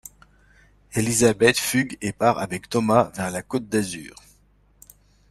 Elizabeth fugue et part avec Thomas vers la Côte d'Azur.